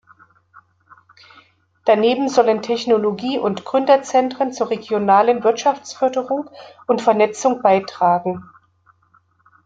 Daneben sollen Technologie- und Gründerzentren zur regionalen Wirtschaftsförderung und Vernetzung beitragen.